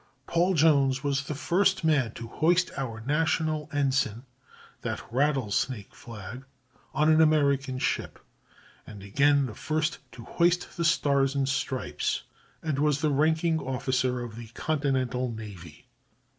Paul Jones was the first man to hoist our national ensign (the rattlesnake flag) on an American ship, and again the first to hoist the stars and stripes, and was the ranking officer of the continental navy.